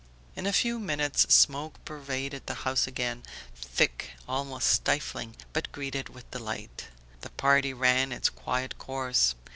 In a few minutes smoke pervaded the house again, thick, almost stifling, but greeted with delight. The party ran its quiet course.